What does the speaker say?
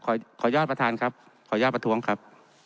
ขออนุญาตประธานครับขออนุญาตประท้วงครับ